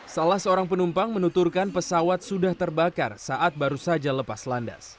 salah seorang penumpang menuturkan pesawat sudah terbakar saat baru saja lepas landas